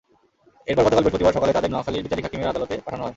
এরপর গতকাল বৃহস্পতিবার সকালে তাঁদের নোয়াখালীর বিচারিক হাকিমের আদালতে পাঠানো হয়।